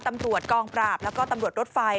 ตำรวจกองปราบแล้วก็ตำรวจรถไฟ